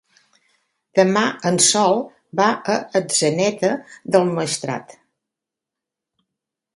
Demà en Sol va a Atzeneta del Maestrat.